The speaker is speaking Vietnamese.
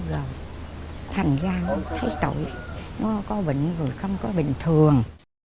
vẫn không có bình thường